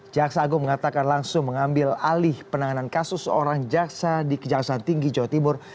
jaksa agung mengatakan langsung mengambil alih penanganan kasus seorang jaksa di kejaksaan tinggi jawa timur